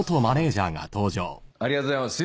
「ありがとうございます。